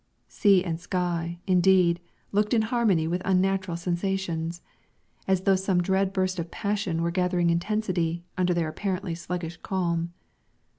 Sea and sky, indeed, looked in harmony with unnatural sensations; as though some dread burst of passion were gathering intensity under their apparently sluggish calm.